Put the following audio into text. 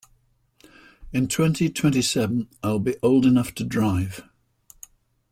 In twenty-twenty-seven I will old enough to drive.